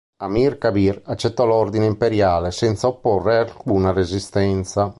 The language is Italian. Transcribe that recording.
Amir Kabir accettò l'ordine imperiale senza opporre alcuna resistenza.